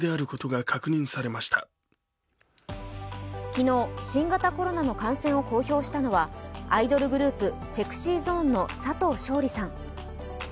昨日、新型コロナの感染を公表したのはアイドルグループＳｅｘｙＺｏｎｅの佐藤勝利さん。